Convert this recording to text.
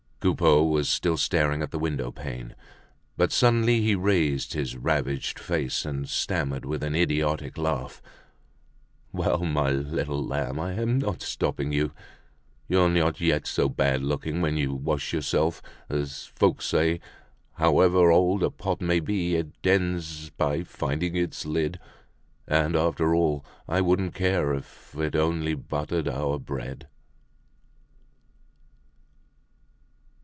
Coupeau was still staring at the window pane. But suddenly he raised his ravaged face, and stammered with an idiotic laugh: "Well, my little lamb, I'm not stopping you. You're not yet so bad looking when you wash yourself. As folks say, however old a pot may be, it ends by finding its lid. And, after all, I wouldn't care if it only buttered our bread."